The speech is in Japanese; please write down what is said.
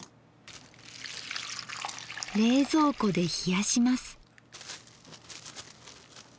冷蔵庫で冷やします。